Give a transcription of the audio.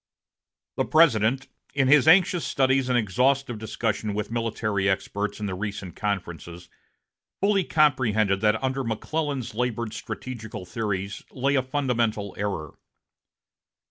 The President, in his anxious studies and exhaustive discussion with military experts in the recent conferences, fully comprehended that under McClellan's labored strategical theories lay a fundamental error.